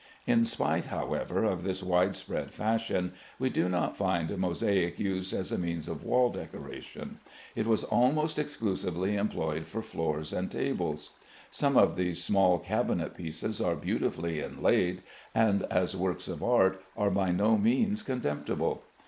In spite, however, of this widespread fashion, we do not find mosaic used as a means of wall decoration; it was almost exclusively employed for floors and tables. Some of these small cabinet pieces are beautifully inlaid, and, as works of art, are by no means contemptible.